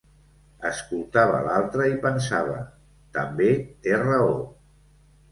Escoltava l’altra, i pensava: també té raó.